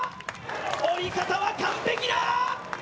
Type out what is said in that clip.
追い方は完璧だ。